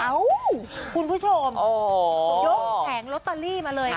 แล้วคุณผู้ชมย่งแผงโรตเตอรี่มาเลยค่ะ